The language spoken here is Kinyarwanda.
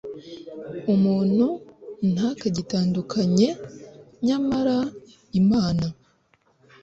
umuntu ntakagitandukanye nyamara, imana